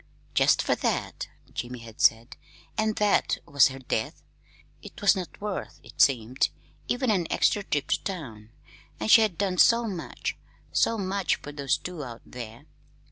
"Jest fer that," Jim had said, and "that" was her death. It was not worth, it seemed, even an extra trip to town! And she had done so much so much for those two out there!